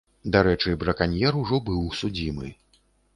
Дарэчы, браканьер ужо быў судзімы.